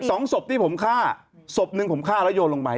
สองศพที่ผมฆ่าศพหนึ่งผมฆ่าแล้วโยนลงไป